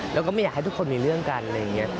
แล้วก็ไม่อยากให้ทุกคนมีเรื่องกันอะไรอย่างนี้